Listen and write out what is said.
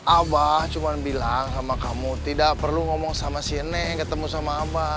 abah cuma bilang sama kamu tidak perlu ngomong sama sine ketemu sama abah